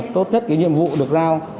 tốt nhất nhiệm vụ được giao